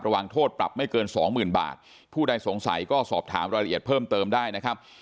วางโทษปรับไม่เกินสองหมื่นบาทผู้ใดสงสัยก็สอบถามรายละเอียดเพิ่มเติมได้นะครับ